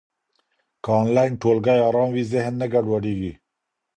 که انلاین ټولګی ارام وي، ذهن نه ګډوډېږي.